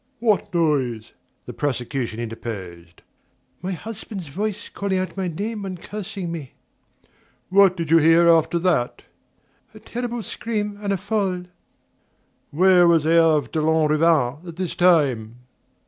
"What noise?" the prosecution interposed. "My husband's voice calling out my name and cursing me." "What did you hear after that?" "A terrible scream and a fall." "Where was Herve de Lanrivain at this time?"